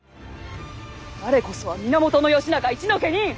我こそは源義仲一の家人。